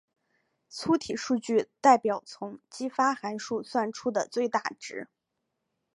粗体数据代表从激发函数算出的最大值。